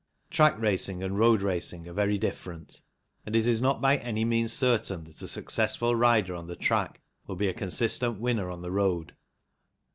Track racing and road racing are very different, and it is not by any means certain that a successful rider on the track will be a consistent winner on the road.